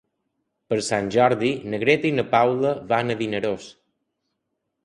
Per Sant Jordi na Greta i na Paula van a Vinaròs.